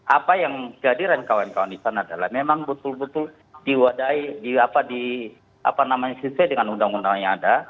apa yang jadi rengkauan rengkauan di sana adalah memang betul betul diwadahi apa namanya siswa dengan undang undang yang ada